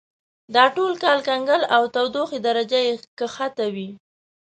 دا ټول کال کنګل او تودوخې درجه یې کښته وي.